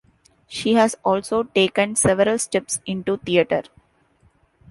She has also taken several steps into Theater.